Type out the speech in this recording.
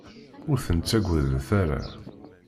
Ur ten-ttagadet ara!